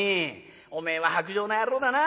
おめえは薄情な野郎だな。